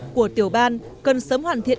của tiểu ban cần sớm hoàn thiện